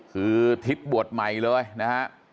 คือทิศบวชใหม่เลยนะฮะ